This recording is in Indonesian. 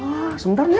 ah sebentar ya